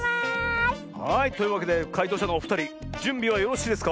はいというわけでかいとうしゃのおふたりじゅんびはよろしいですか？